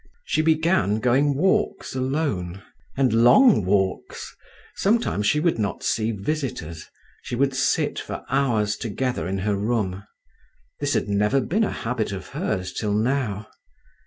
She began going walks alone—and long walks. Sometimes she would not see visitors; she would sit for hours together in her room. This had never been a habit of hers till now.